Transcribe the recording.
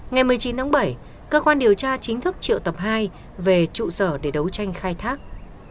ngày một mươi chín tháng bảy cơ quan điều tra chính thức triệu tập hai về trụ sở để đấu tranh khai thác